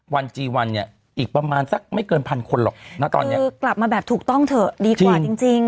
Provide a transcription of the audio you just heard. วันจีวันเนี่ยอีกประมาณสักไม่เกินพันคนหรอกนะตอนเนี้ยคือกลับมาแบบถูกต้องเถอะดีกว่าจริงจริง